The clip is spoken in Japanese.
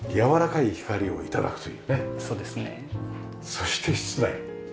そして室内。